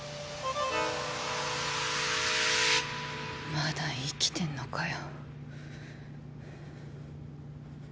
まだ生きてんのかよ